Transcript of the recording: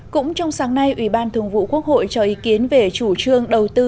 cũng trong sáng nay ủy ban thường vụ quốc hội cho ý kiến về chủ trương đầu tư